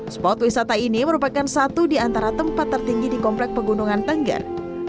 spot wisata ini merupakan satu di antara tempat tertinggi di komplek pegunungan tengger